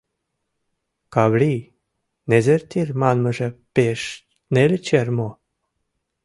— Каврий, незертир манмыже пеш неле чер мо?